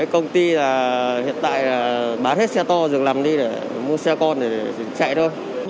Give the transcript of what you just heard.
công ty hiện tại bán hết xe to dừng lầm đi để mua xe con